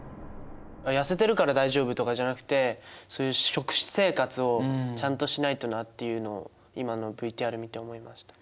痩せてるから大丈夫とかじゃなくてそういう食生活をちゃんとしないとなっていうのを今のＶＴＲ見て思いました。